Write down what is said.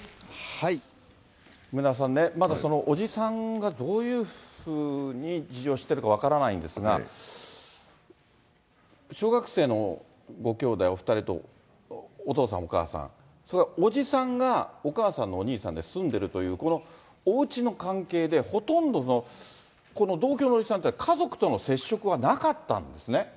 梅沢さんね、まずその伯父さんがどういうふうに事情を知っているか分からないんですが、小学生のご兄弟お２人とお父さん、お母さん、それから伯父さんが、お母さんのお兄さんで住んでるという、このおうちの関係で、ほとんどのこの同居の伯父さんというのは、家族との接触はなかったんですね。